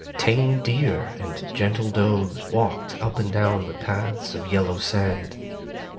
Tame deer and gentle does walked up and down the paths of yellow sand.